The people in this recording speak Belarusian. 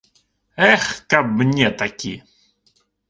Эх, каб мне такі.